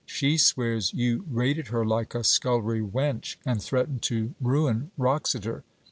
She swears you rated her like a scullery wench, and threatened to ruin Wroxeter.